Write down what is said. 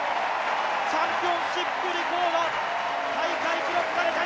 チャンピオンシップレコード、大会記録が出た、２２ｍ９４！